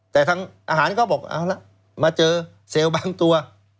แต่ทางอาหารก็บอกเอาละมาเจอเซลล์บางตัว